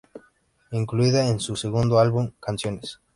Incluida en su segundo álbum, Canciones.